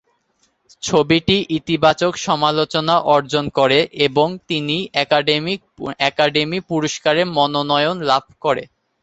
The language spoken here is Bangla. ছবিটি ইতিবাচক সমালোচনা অর্জন করে এবং তিনটি একাডেমি পুরস্কারের মনোনয়ন লাভ করে।